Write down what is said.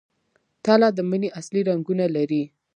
تله د مني اصلي رنګونه لري.